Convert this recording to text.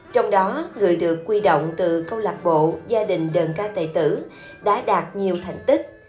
trong đó người được quy động từ câu lạc bộ gia đình đơn ca tài tử đã đạt nhiều thành tích